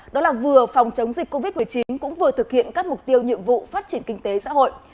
đó là vừa phòng chống dịch covid một mươi chín cũng vừa thực hiện các mục tiêu nhiệm vụ phát triển kinh tế xã hội